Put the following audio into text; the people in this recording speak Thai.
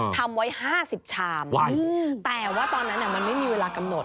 ทำไว้๕๐ชามแต่ว่าตอนนั้นมันไม่มีเวลากำหนด